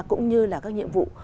cũng như là các nhiệm vụ